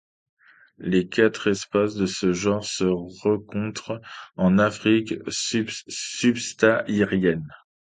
Les quatre espèces de ce genre se rencontrent en Afrique subsaharienne.